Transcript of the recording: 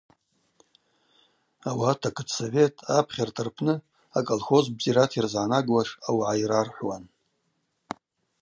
Ауат акытсовет, апхьарта рпны аколхоз бзирата йрызгӏанагуаш аугӏа йрархӏвуан.